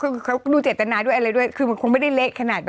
คือเขาดูเจตนาด้วยคือมันคงไม่ได้เล็กขนาดแบบ